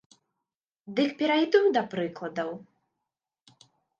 Дык перайду да прыкладаў!